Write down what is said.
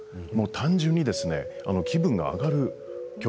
単純に気分が上がる曲